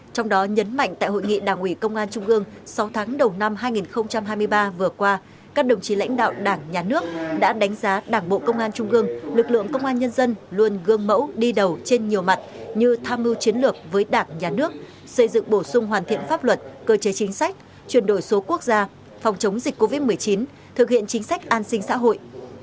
trong đó nhấn mạnh tại hội nghị đảng ủy công an trung gương sáu tháng đầu năm hai nghìn hai mươi ba vừa qua các đồng chí lãnh đạo đảng nhà nước đã đánh giá đảng bộ công an trung gương lực lượng công an nhân dân luôn gương mẫu đi đầu trên nhiều mặt như tham mưu chiến lược với đảng nhà nước xây dựng bổ sung hoàn thiện pháp luật cơ chế chính sách chuyển đổi số quốc gia phòng chống dịch covid một mươi chín thực hiện chính sách an sinh xã hội